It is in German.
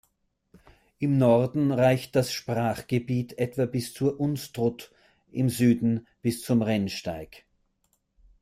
Im Norden reicht das Sprachgebiet etwa bis zur Unstrut, im Süden bis zum Rennsteig.